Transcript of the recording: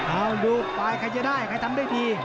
เอาดูปลายใครจะได้ใครทำได้ดี